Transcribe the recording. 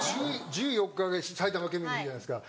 １４日が埼玉県民の日じゃないですか。